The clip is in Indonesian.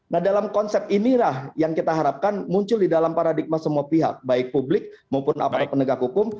nah dalam konsep inilah yang kita harapkan muncul di dalam paradigma semua pihak baik publik maupun aparat penegak hukum